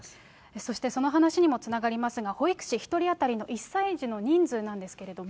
そしてその話にもつながりますが、保育士１人当たりの１歳児の人数なんですけれども。